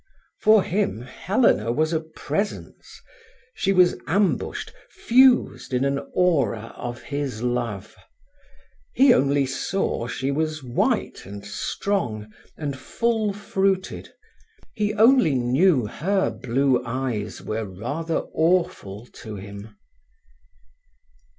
For him, Helena was a presence. She was ambushed, fused in an aura of his love. He only saw she was white, and strong, and full fruited, he only knew her blue eyes were rather awful to him.